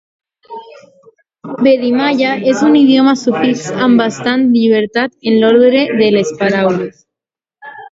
Badimaya és un idioma sufix amb bastanta llibertat en l'ordre de les paraules.